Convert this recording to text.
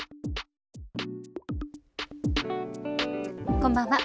こんばんは。